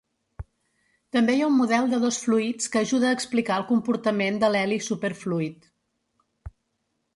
També hi ha un model de dos fluïts que ajuda a explicar el comportament de l'heli superfluid.